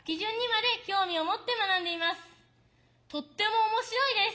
とっても面白いです。